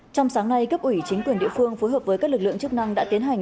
trong sáng nay cấp ủy chính quyền địa phương phối hợp với các lực lượng chức năng đã tiến hành